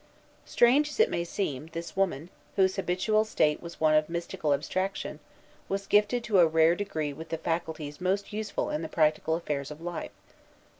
Strange as it may seem, this woman, whose habitual state was one of mystical abstraction, was gifted to a rare degree with the faculties most useful in the practical affairs of life.